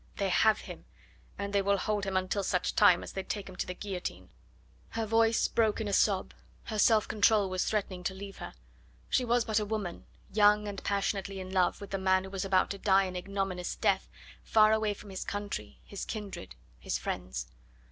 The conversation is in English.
They have him, and they will hold him until such time as they take him to the guillotine." Her voice broke in a sob; her self control was threatening to leave her. She was but a woman, young and passionately in love with the man who was about to die an ignominious death, far away from his country, his kindred, his friends.